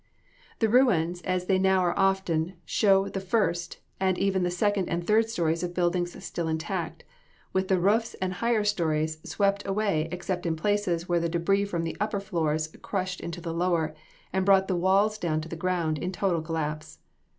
"The ruins as they now are often show the first, and even the second and third stories of buildings still intact, with the roofs and higher stories swept away except in places where the debris from the upper floors crushed in the lower, and brought the walls down to the ground in total collapse.